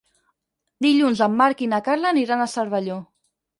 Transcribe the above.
Dilluns en Marc i na Carla aniran a Cervelló.